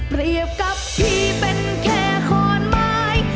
เปรียบกับพี่เป็นแค่ขอนไม้